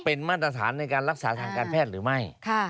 เป็นมาตรฐานในการรักษาทางการแพทย์หรือไม่